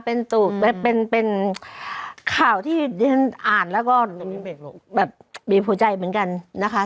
เป็นตุ๊กเป็นเป็นข่าวที่อ่านแล้วก็แบบมีผู้ใจเหมือนกันนะคะ